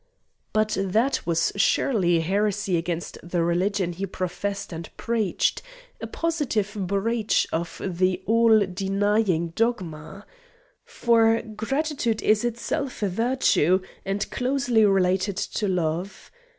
But that was surely a heresy against the religion he professed and preached a positive breach of the all denying dogma! For Gratitude is itself a virtue and closely related to Love.